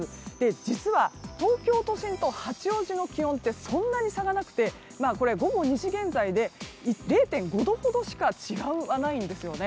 実は東京都心と八王子の気温ってそんなに差がなくて午後２時現在で０．５度ほどしか違わないんですよね。